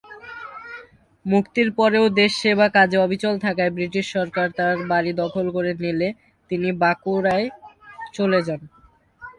মুক্তির পরেও দেশ সেবা কাজে অবিচল থাকায় ব্রিটিশ সরকার তার বাড়ি দখল করে নিলে তিনি বাঁকুড়ায় চলে যান।